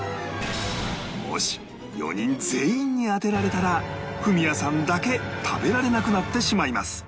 もし４人全員に当てられたらフミヤさんだけ食べられなくなってしまいます